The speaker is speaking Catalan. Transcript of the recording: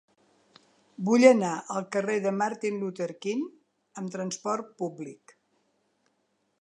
Vull anar al carrer de Martin Luther King amb trasport públic.